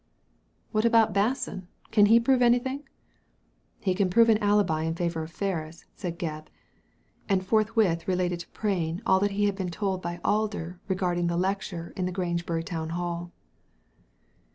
*'* What about Basson — can he prove anything ?"" He can prove an alibi in favour of Ferris," said Gebb ; and forthwith related to Prain all that he had been told by Alder regarding the lecture in the Grangebury Town Hall.